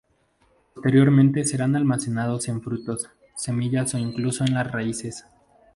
Posteriormente serán almacenados en frutos, semillas o incluso en las raíces.